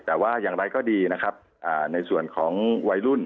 แต่ว่าอย่างไรก็ดีนะครับในส่วนของวัยรุ่น